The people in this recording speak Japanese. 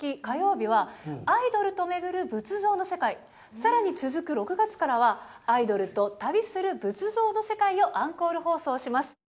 火曜日は「アイドルと巡る仏像の世界」更に続く６月からは「アイドルと旅する仏像の世界」をアンコール放送します。